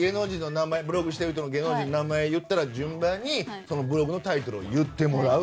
ブログしてる人の芸能人の名前を言ったら順番にブログのタイトルを言ってもらう。